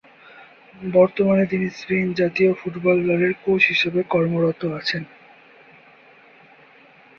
বর্তমানে তিনি স্পেন জাতীয় ফুটবল দলের কোচ হিসাবে কর্মরত আছেন।